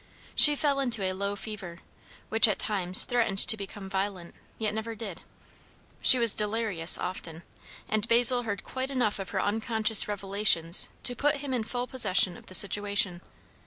She fell into a low fever, which at times threatened to become violent, yet never did. She was delirious often; and Basil heard quite enough of her unconscious revelations to put him in full possession of the situation.